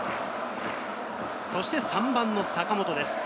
そして３番の坂本です。